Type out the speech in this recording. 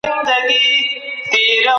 پوه سړی د چا په حق کې بې انصافي نه کوي.